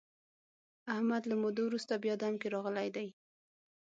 احمد له مودو ورسته بیا دم کې راغلی دی.